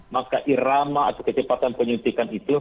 maka irama atau kecepatan penyuntikan itu